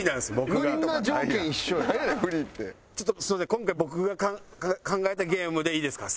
今回僕が考えたゲームでいいですか？